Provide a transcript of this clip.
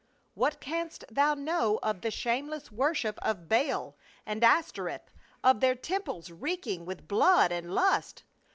What canst thou know of the shameless worship of Baal and Astoreth, of their temples reeking with blood and lust